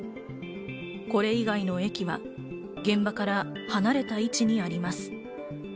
これ以外の駅は現場から離れた位置にあります。